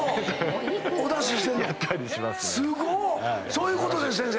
そういうことです先生。